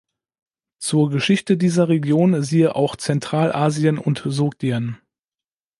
Zur Geschichte dieser Region siehe auch Zentralasien und Sogdien.